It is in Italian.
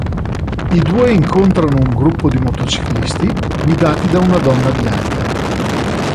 I due incontrano un gruppo di motociclisti, guidati da una donna bianca.